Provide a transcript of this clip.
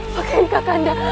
pakai yang kakanda